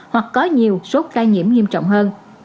hoặc có nhiều số ca nhiễm nghiêm trọng hơn